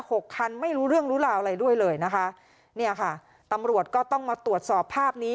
หกคันไม่รู้เรื่องรู้ราวอะไรด้วยเลยนะคะเนี่ยค่ะตำรวจก็ต้องมาตรวจสอบภาพนี้